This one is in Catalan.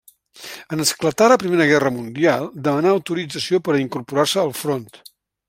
En esclatar la Primera Guerra mundial, demanà autorització per a incorporar-se al front.